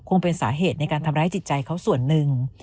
คงเป็นสาเหตุในการทำร้ายจิตใจเขาส่วนหนึ่ง